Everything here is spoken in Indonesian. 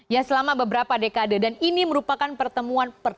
ya selama beberapa dekade dan ini merupakan pertemuan yang sangat penting